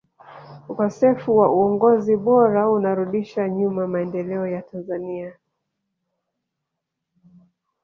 ukosefu wa uongozi bora unarudisha nyuma maendeleo ya tanzania